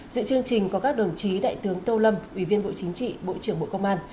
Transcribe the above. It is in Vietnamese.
dự chương trình có các đồng chí đại tướng tô lâm ủy viên bộ chính trị bộ trưởng bộ công an